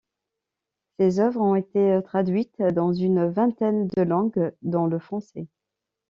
Ses œuvres ont été traduites dans une vingtaine de langue, dont le français.